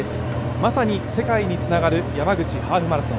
まさに世界につながる山口ハーフマラソン。